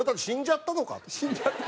「死んじゃったのか」。